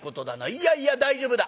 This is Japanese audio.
いやいや大丈夫だ。